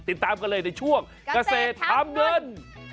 ติดตามกันเลยในช่วงเกษตรทำเงิน